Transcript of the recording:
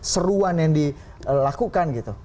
seruan yang dilakukan gitu